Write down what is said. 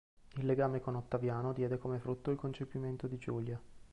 Il legame con Ottaviano diede come frutto il concepimento di Giulia.